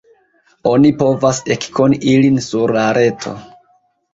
Oni povas ekkoni ilin sur la reto.